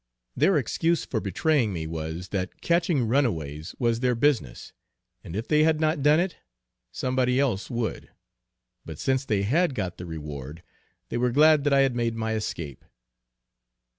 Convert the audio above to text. Their excuse for betraying me, was, that catching runaways was their business, and if they had not done it somebody else would, but since they had got the reward they were glad that I had made my escape.